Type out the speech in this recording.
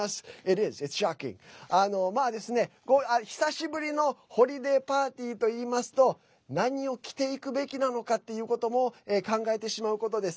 Ｉｔｉｓｓｈｏｃｋｉｎｇ．まあですね、久しぶりのホリデーパーティーといいますと何を着ていくべきなのかっていうことも考えてしまうことです。